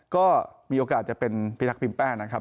ก็มีโอกาสจะเป็นพิทักษ์พิมแป้นะครับ